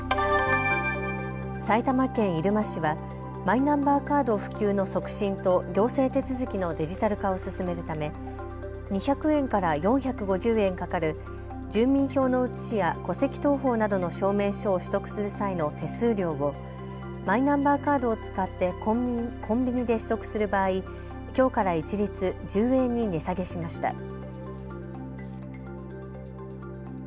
埼玉県入間市はマイナンバーカード普及の促進と行政手続きのデジタル化を進めるため２００円から４５０円かかる住民票の写しや戸籍謄本などの証明書を取得する際の手数料をマイナンバーカードを使ってコンビニで取得する場合きょうから一律１０円に値下げしました。